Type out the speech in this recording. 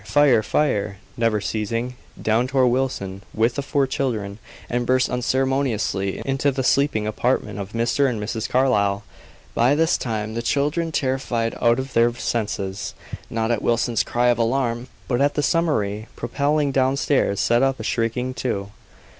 fire! fire!" never ceasing, down tore Wilson with the four children, and burst unceremoniously into the sleeping apartment of Mr. and Mrs. Carlyle. By this time the children, terrified out of their senses, not at Wilson's cry of alarm, but at the summary propelling downstairs, set up a shrieking, too.